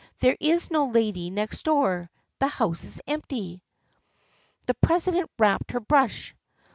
There is no lady next door. The house is empty." The president rapped her brush.